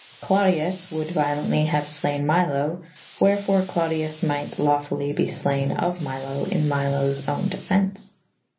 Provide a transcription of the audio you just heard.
Clodius wolde vyolently haue flayn Milo / wherfore Clodius might lafully be flayne of Milo in Milous owne defence.